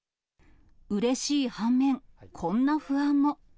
うれしい反面、こんな不安も。